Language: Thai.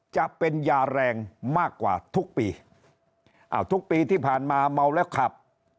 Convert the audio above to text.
จะเป็นยาแรงมากกว่าทุกปีอ้าวทุกปีที่ผ่านมาเมาแล้วขับ